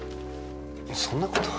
そんな事。